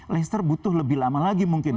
leicester butuh lebih lama lagi mungkin